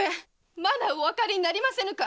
まだおわかりになりませぬか！